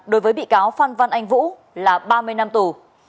đối với bị cáo phan văn anh vũ là ba mươi năm tù